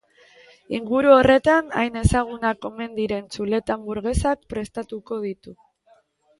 Inguru horretan hain ezagunak omen diren txuleta-hanburgesak prestatuko ditu.